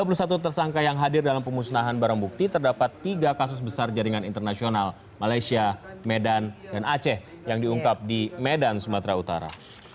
dari dua puluh satu tersangka yang hadir dalam pemusnahan barang bukti terdapat tiga kasus besar jaringan internasional malaysia medan dan aceh yang diungkap di medan sumatera utara